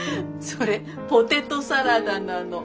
それポテトサラダなの。